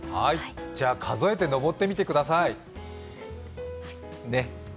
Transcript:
じゃ、数えて上ってみてください。